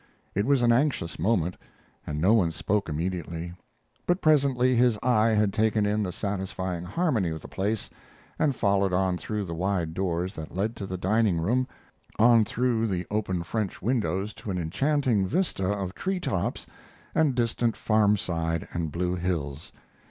It was an anxious moment, and no one spoke immediately. But presently his eye had taken in the satisfying harmony of the place and followed on through the wide doors that led to the dining room on through the open French windows to an enchanting vista of tree tops and distant farmside and blue hills.